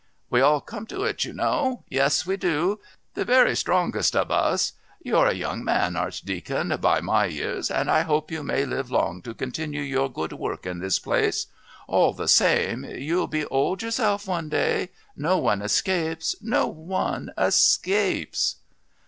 "We all come to it, you know. Yes, we do. The very strongest of us. You're a young man, Archdeacon, by my years, and I hope you may long live to continue your good work in this place. All the same, you'll be old yourself one day. No one escapes.... No one escapes...."